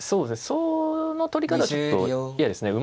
その取り方はちょっと嫌ですね。